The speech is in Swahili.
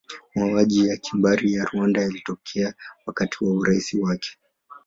Mauaji ya kimbari ya Rwanda yalitokea wakati wa urais wake.